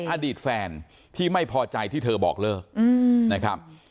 อดีตแฟนที่ไม่พอใจที่เธอบอกเลิกนะครับ